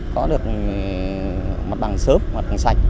có được mặt bằng sớm mặt bằng sạch